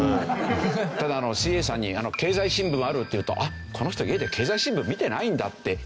ただＣＡさんに経済新聞ある？って言うとこの人家で経済新聞見てないんだって見られるらしいですよ。